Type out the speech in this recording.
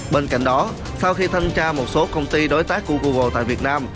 bên cạnh đó sau khi thanh tra một số công ty đối tác của google tại việt nam